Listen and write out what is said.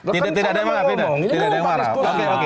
tidak ada yang marah